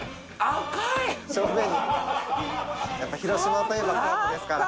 やっぱ広島といえばカープですから。